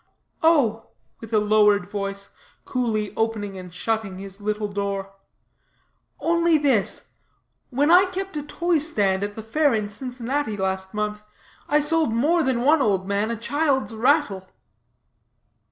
"Oh," with a lowered voice, coolly opening and shutting his little door, "only this: when I kept a toy stand at the fair in Cincinnati last month, I sold more than one old man a child's rattle."